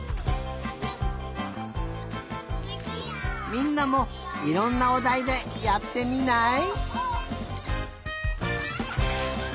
みんなもいろんなおだいでやってみない？